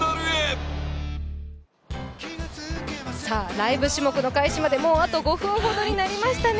ライブ種目の開始まであと５分ほどになりましたね。